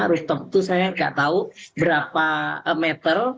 rooftop itu saya nggak tahu berapa meter